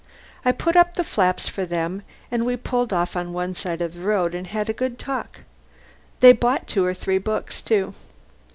I put up the flaps for them and we pulled off to one side of the road and had a good talk. They bought two or three books, too.